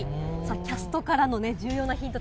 キャストから重要なヒント